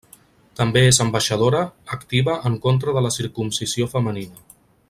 També és ambaixadora activa en contra de la circumcisió femenina.